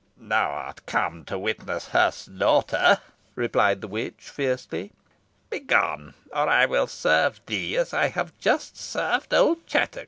"Thou art come to witness her slaughter," replied the witch, fiercely. "Begone, or I will serve thee as I have just served old Chattox."